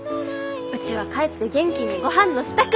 うちは帰って元気にごはんの支度！